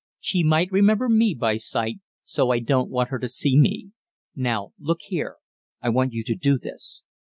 She might remember me by sight, so I don't want her to see me. Now look here, I want you to do this.